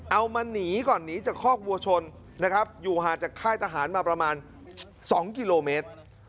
เอามาหนีก่อนหนีจากคอกวัวชนนะครับอยู่ห่างจากค่ายทหารมาประมาณ๒กิโลเมตร